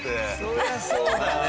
そりゃそうだね。